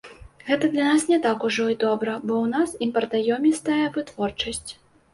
Гэта для нас не так ужо і добра, бо ў нас імпартаёмістая вытворчасць.